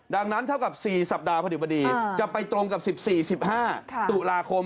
ดังนั้นเท่ากับ๔สัปดาห์พอดีบดีจะไปตรงกับ๑๔๑๕ตุลาคม